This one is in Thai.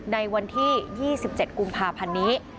ในวันที่๒๗กุมภาพันธ์นี้